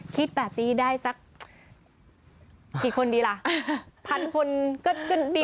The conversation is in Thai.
คิดแบบนี้ได้สักกี่คนดีล่ะพันคนก็ดี